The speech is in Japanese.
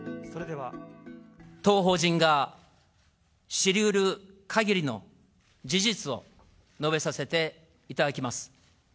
当法人が知りうる限りの事実を述べさせていただきます。